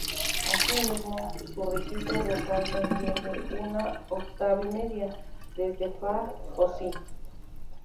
Asimismo, su registro vocal se extiende una octava y media, desde "fa" a "si".